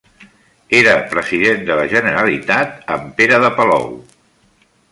Era President de la Generalitat en Pere de Palou.